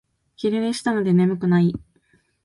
昼寝したので眠くない